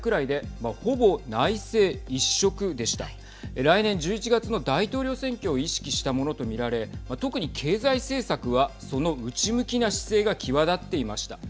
来年１１月の大統領選挙を意識したものと見られ特に経済政策はその内向きな姿勢が際立っていました。